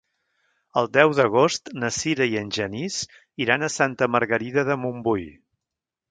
El deu d'agost na Sira i en Genís iran a Santa Margarida de Montbui.